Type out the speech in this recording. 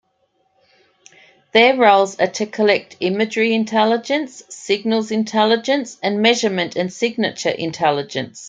Their roles are to collect imagery intelligence, signals intelligence, and measurement and signature intelligence.